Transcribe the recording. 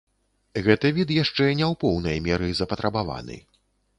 Гэты від яшчэ не ў поўнай меры запатрабаваны.